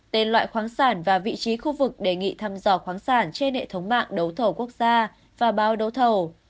tên loại khoáng sản và vị trí khu vực đề nghị thăm dò khoáng sản trên hệ thống mạng đấu thầu quốc gia và báo đấu thầu